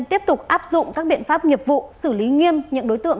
tiếp tục áp dụng các biện pháp nghiệp vụ xử lý nghiêm những đối tượng